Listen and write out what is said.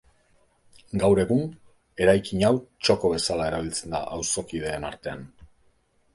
Gaur egun, eraikin hau txoko bezala erabiltzen da auzokideen artean.